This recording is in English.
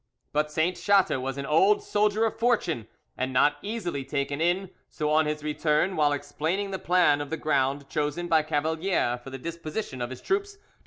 But Sainte Chatte was an old soldier of fortune and not easily taken in, so on his return, while explaining the plan of the ground chosen by Cavalier for the disposition of his troops to M.